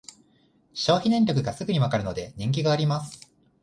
消費電力がすぐにわかるので人気があります